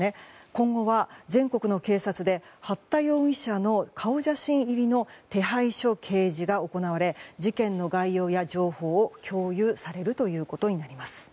今後は全国の警察で八田容疑者の顔写真入りの手配書掲示が行われ事件の概要や情報が共有されるとなります。